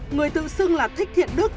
người tự xưng là thích thiện đức